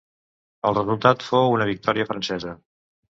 El resultat fou una victòria francesa.